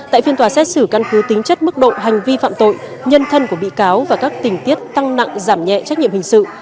tại phiên tòa xét xử căn cứ tính chất mức độ hành vi phạm tội nhân thân của bị cáo và các tình tiết tăng nặng giảm nhẹ trách nhiệm hình sự